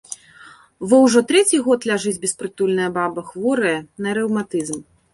Во ўжо трэці год ляжыць беспрытульная баба, хворая на рэўматызм.